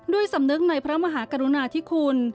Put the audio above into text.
สำนึกในพระมหากรุณาธิคุณ